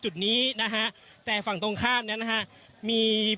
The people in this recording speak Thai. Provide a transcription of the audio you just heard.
จุดนะฮะแต่ฝั่งตรงข้ามเนี้ยนะฮะมีปริมาน